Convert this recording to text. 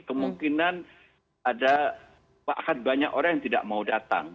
kemungkinan ada banyak orang yang tidak mau datang